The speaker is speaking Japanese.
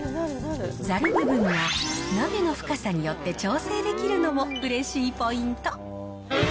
ざる部分の鍋の深さによって調整できるのもうれしいポイント。